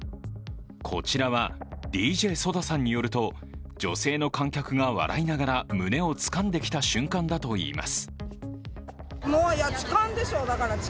こちらはＤＪＳＯＤＡさんによると女性の観客が笑いながら胸をつかんできた瞬間だといいます。